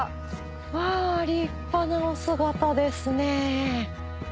わぁ立派なお姿ですね。